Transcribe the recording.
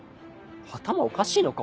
頭おかしいのか？